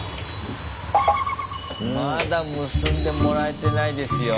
まだ結んでもらえてないですよ